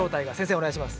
お願いします。